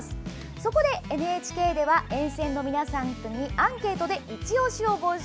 そこでＮＨＫでは沿線の皆さんにアンケートでいちオシを募集。